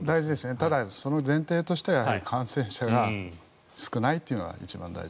ただ、前提は感染者が少ないというのは一番大事。